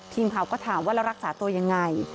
ทีมเขาก็ถามว่ารักษาตัวยังไง